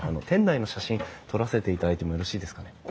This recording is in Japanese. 店内の写真撮らせていただいてもよろしいですかね？